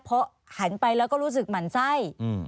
เพราะหันไปแล้วก็รู้สึกหมั่นไส้